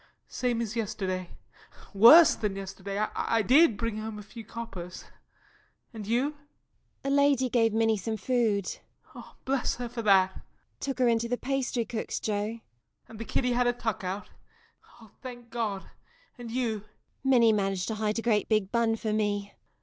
Same as yesterday worse than yesterday I did bring home a few coppers And you? MARY. A lady gave Minnie some food JOE. [Heartily.] Bless her for that! MARY. Took her into the pastrycook's, Joe JOE. And the kiddie had a tuck out? Thank God! And you? MARY. Minnie managed to hide a great big bun for me.